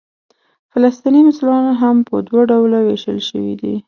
فلسطیني مسلمانان هم په دوه ډوله وېشل شوي دي.